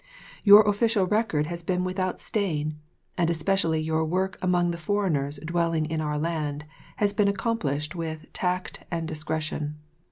Your official record has been without stain; and especially your work among the foreigners dwelling in our land has been accomplished with tact and discretion.